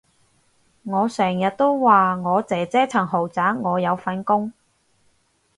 我成日都話我姐姐層豪宅我有份供